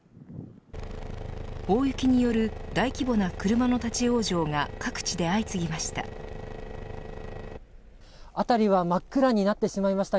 大雪による大規模な車の立ち往生が各地で相次ぎました。